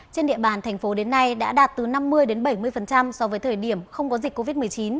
trên địa bàn thành phố đến nay đã đạt từ năm mươi bảy mươi so với thời điểm không có dịch covid một mươi chín